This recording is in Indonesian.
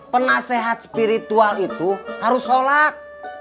penasehat spiritual itu harus sholat